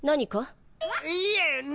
いえ何も！